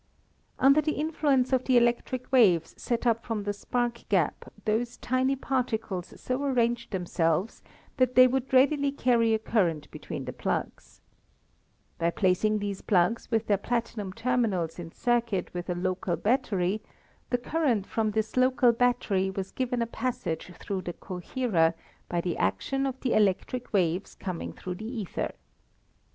Under the influence of the electric waves set up from the spark gap those tiny particles so arranged themselves that they would readily carry a current between the plugs. By placing these plugs with their platinum terminals in circuit with a local battery the current from this local battery was given a passage through the coherer by the action of the electric waves coming through the ether.